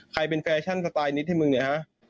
ใครเป็นแฟชั่นสไตล์นิดที่มึงเนี่ยฮะ